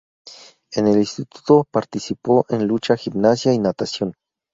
En el instituto participó en lucha, gimnasia y natación.